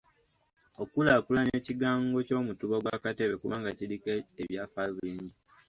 Okulaakulanya ekigango ky'Omutuba gwa Katebe kubanga kiriko ebyafaayo bingi.